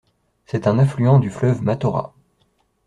C’est un affluent du fleuve Mataura.